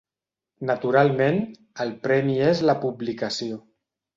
Naturalment, el premi és la publicació.